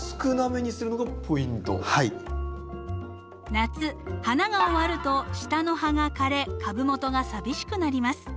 夏花が終わると下の葉が枯れ株元が寂しくなります。